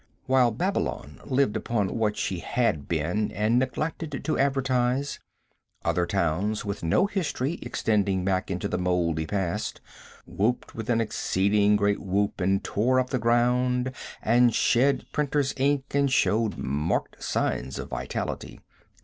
While Babylon lived upon what she had been and neglected to advertise, other towns with no history extending back into the mouldy past, whooped with an exceeding great whoop and tore up the ground and shed printers' ink and showed marked signs of vitality.